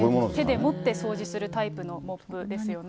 手で持って掃除するタイプのモップですよね。